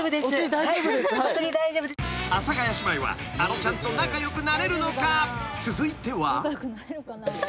［阿佐ヶ谷姉妹はあのちゃんと仲良くなれるのか？